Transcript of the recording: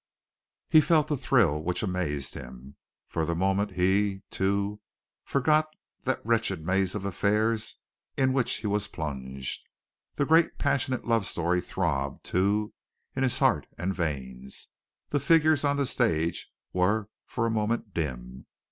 He felt a thrill which amazed him. For the moment he, too, forgot that wretched maze of affairs in which he was plunged. The great passionate love story throbbed, too, in his heart and veins. The figures on the stage were for a moment dim.